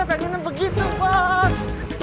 saya juga pengen begitu bos